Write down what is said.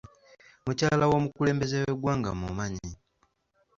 Mukyala w'omukulembeze w'eggwanga mmumanyi